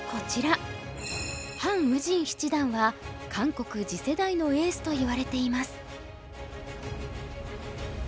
ハン・ウジン七段は韓国次世代のエースといわれています。